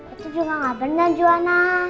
itu juga nggak bener johana